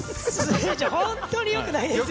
ホントによくないですよ。